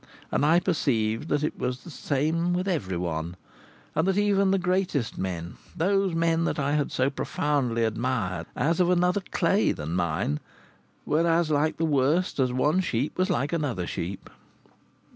And I perceived that it was the same with everyone, and that even the greatest men, those men that I had so profoundly admired as of another clay than mine, were as like the worst as one sheep was like another sheep.